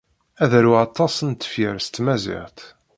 Ad aruɣ aṭas n tefyar s tmaziɣt.